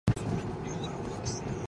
Учир нь тэр байнга улирч байсан.